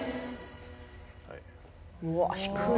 うわ低い。